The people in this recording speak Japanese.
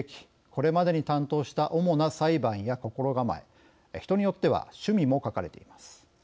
これまでに担当した主な裁判や心構え、人によっては趣味も書かれています。